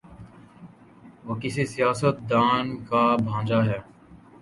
وہ کسی سیاست دان کا بھانجا ہے۔